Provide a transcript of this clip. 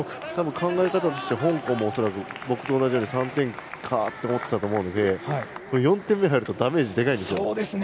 考え方としては香港も恐らく３点かと思っていたと思うので４点目が入るとダメージでかいですよ。